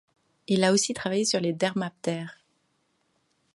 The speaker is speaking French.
Il a aussi travaillé sur les dermaptères.